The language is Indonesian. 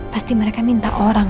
pasti mereka minta orang